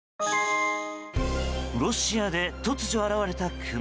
ロシアで突如現れたクマ。